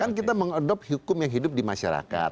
kan kita mengadopsi hukum yang hidup di masyarakat